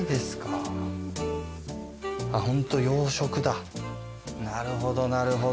なるほどなるほど。